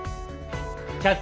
「キャッチ！